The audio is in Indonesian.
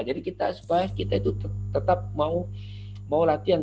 jadi kita as best kita itu tetap mau mau latihan